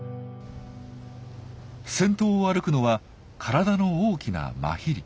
先頭を歩くのは体の大きなマヒリ。